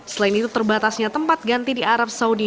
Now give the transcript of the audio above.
selain itu terbatasnya tempat ganti di arab saudi